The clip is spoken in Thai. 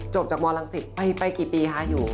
จบจากโรงการลังศิษย์ไปกี่ปีครับอยู่